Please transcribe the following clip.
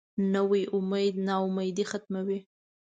نوی امید نا امیدي ختموي